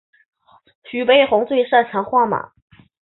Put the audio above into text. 徐悲鸿最擅长画马。